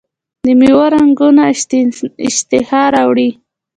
د میوو رنګونه اشتها راوړي.